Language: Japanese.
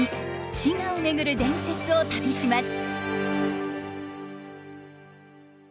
滋賀を巡る伝説を旅します。